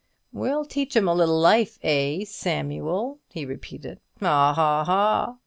"We'll teach him a little life, eh, SAMUEL?" he repeated, "Haw, haw, haw!"